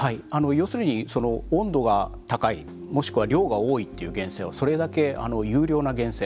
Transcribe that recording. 要するに温度が高いもしくは量が多いという源泉はそれだけ優良な源泉。